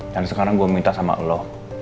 dan sekarang gue minta sama lo